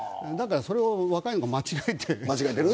それを若い子が間違えている。